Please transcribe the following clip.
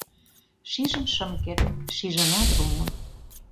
Шижын шым керт, шижынат омыл